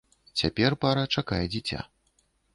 Цяпер пара чакае дзіця.